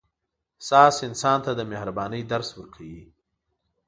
احساس انسان ته د مهربانۍ درس ورکوي.